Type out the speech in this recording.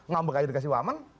ngambek aja dikasih wamen